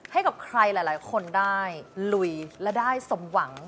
ให้กับใครหลายคนได้ลุยและได้สมหวัง